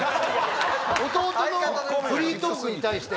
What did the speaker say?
弟のフリートークに対して。